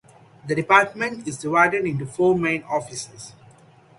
The department is divided into four main offices.